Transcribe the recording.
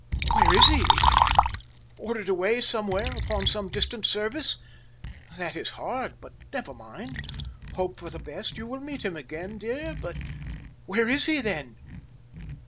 "Where is he, Edith? Ordered away somewhere, upon some distant service? That is hard, but never mind! Hope for the best! You will meet him again, dear? But where is he, then?"